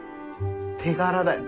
手柄だよ。